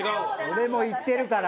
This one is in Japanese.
俺も行ってるから！